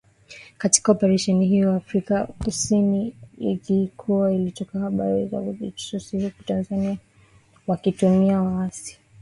Katika Oparesheni hiyo, Afrika kusini ilikuwa ikitoa habari za ujasusi huku Tanzania wakitumia waasi hao na kuwalazimu kukimbia na kuingia Uganda